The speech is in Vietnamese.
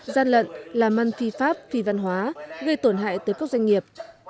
gian lận làm ăn phi pháp phi văn hóa gây tổn hại tới các doanh nghiệp